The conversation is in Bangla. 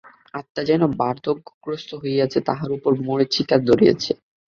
আত্মা যেন বার্ধক্যগ্রস্ত হইয়াছে, উহার উপর মরিচা ধরিয়াছে।